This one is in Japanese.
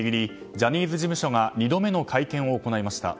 ジャニーズ事務所が２度目の会見を行いました。